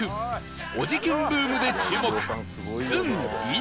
おじキュンブームで注目ずん飯尾